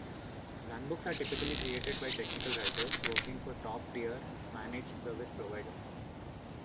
Runbooks are typically created by technical writers working for top tier managed service providers.